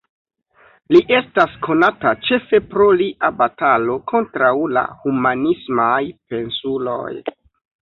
Li estas konata ĉefe pro lia batalo kontraŭ la humanismaj pensuloj.